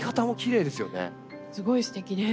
すごいすてきです。